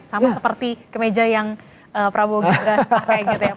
sama seperti ke meja yang prabowo gimbran pakai gitu ya